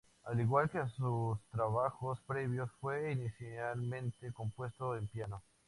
Al igual que sus trabajos previos, fue inicialmente compuesto en piano.